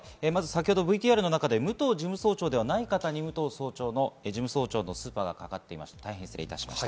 ＶＴＲの中で武藤事務総長ではない方に武藤事務総長のスーパーがかかっていました、失礼しました。